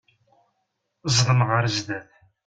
Zdem ɣer sdat.